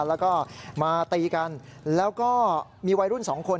แล้วก็มาตีกันแล้วก็มีวัยรุ่นสองคน